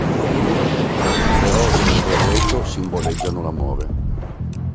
Le rose nel roseto simboleggiano l'amore.